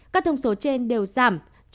các thông số trên đều giảm